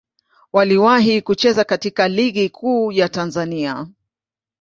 Waliwahi kucheza katika Ligi Kuu ya Tanzania.